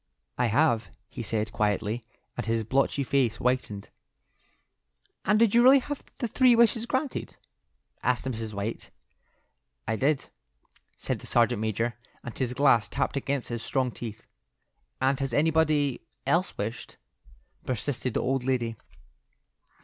"I have," he said, quietly, and his blotchy face whitened. "And did you really have the three wishes granted?" asked Mrs. White. "I did," said the sergeant major, and his glass tapped against his strong teeth. "And has anybody else wished?" persisted the old lady.